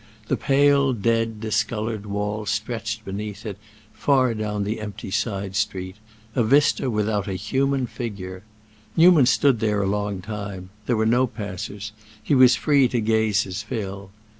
The pale, dead, discolored wall stretched beneath it, far down the empty side street—a vista without a human figure. Newman stood there a long time; there were no passers; he was free to gaze his fill.